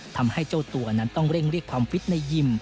ทำให้เจ้าตัวนั้นต้องเร่งเรียกความฟิตในยิม